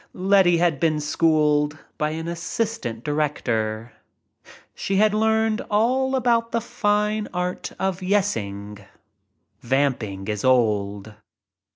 Letty had been schooled — by an assistant director. She had learned all about the fine art of "yessing." Vamping is old.